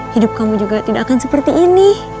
hidup kamu juga tidak akan seperti ini